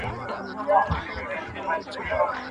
نور پردی ورڅخه وس له ژونده موړ دی !.